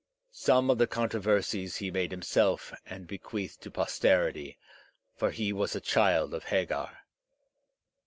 Some of the controversies he made himself and bequeathed to posterity, for he was a child of Hagar.